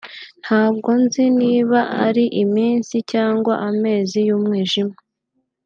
ntabwo nzi niba ari iminsi cyangwa amezi y’umwijima